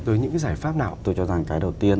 tới những cái giải pháp nào tôi cho rằng cái đầu tiên